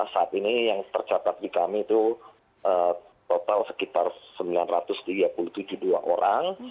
saat ini yang tercatat di kami itu total sekitar sembilan ratus tiga puluh tujuh dua orang